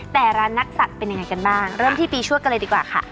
แต่ร้านนักสัตว์เป็นยังไงกันบ้างเริ่มที่ปีชั่วกันเลยดีกว่าค่ะ